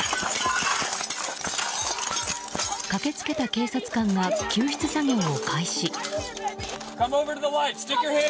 駆け付けた警察官が救出作業を開始。